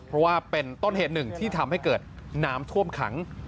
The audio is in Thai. เพราะว่าเป็นต้นเหตุหนึ่งที่ทำให้เกิดน้ำท่วมขัง